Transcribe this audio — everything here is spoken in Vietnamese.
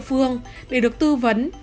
khám bệnh đảm bảo an toàn